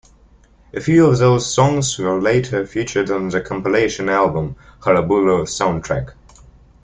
A few of those songs were later featured on the compilation album "Hullabaloo Soundtrack".